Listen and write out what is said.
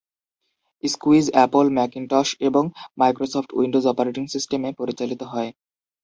Squeeze Apple Macintosh এবং Microsoft Windows operating সিস্টেমে পরিচালিত হয়।